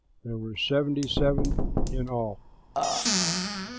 There were seventy seven in all.